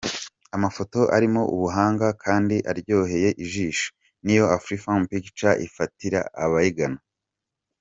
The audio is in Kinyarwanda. Amafoto arimo ubuhanga kandi aryoheye ijisho, niyo Afrifame Pictures ifatira abayigana.